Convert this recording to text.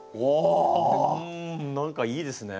何かいいですね！